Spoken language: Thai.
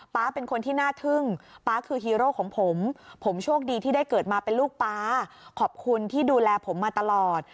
๊าเป็นคนที่น่าทึ่งป๊าคือฮีโร่ของผมผมโชคดีที่ได้เกิดมาเป็นลูกป๊าขอบคุณที่ดูแลผมมาตลอด